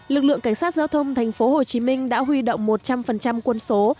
lực lượng cảnh sát giao thông thành phố hồ chí minh đã huy động một trăm linh quân số